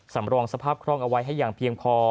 สำรองสภาพคล่องเอาไว้ให้อย่างเพียงพอ